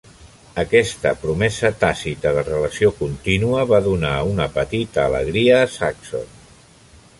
Aquesta promesa tàcita de relació contínua va donar una petita alegria a Saxon.